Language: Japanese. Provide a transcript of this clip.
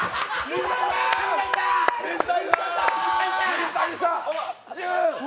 水谷さん。